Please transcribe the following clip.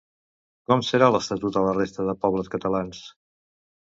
Com serà l'estatut a la resta de pobles catalans?